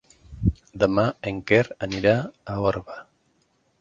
Demà en Quer anirà a Orba.